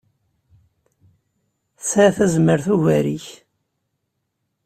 Tesɛa tazmert ugar-ik.